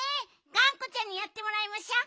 がんこちゃんにやってもらいましょう。